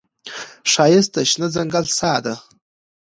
ښایست د شنه ځنګل ساه ده